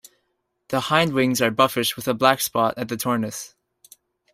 The hindwings are buffish with a black spot at the tornus.